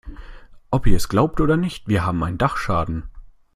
Ob ihr es glaubt oder nicht, wir haben einen Dachschaden.